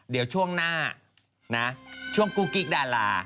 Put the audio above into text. เดี๋ยวช่วงหน้านะช่วงกุ๊กกิ๊กดารา